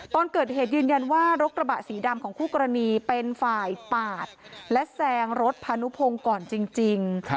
ตอนเกิดเหตุยืนยันว่ารถกระบะสีดำของคู่กรณีเป็นฝ่ายปาดและแซงรถพานุพงศ์ก่อนจริง